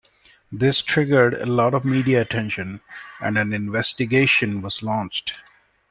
This triggered a lot of media attention and an investigation was launched.